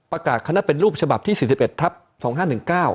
คณะเป็นรูปฉบับที่สี่สิบเอ็ดทับสองห้าหนึ่งเก้า